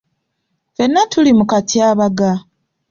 Ffenna tuli mu katyabaga.